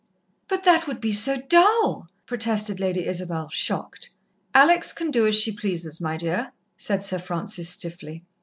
"But that would be so dull!" protested Lady Isabel, shocked. "Alex can do as she pleases, my dear," said Sir Francis stiffly.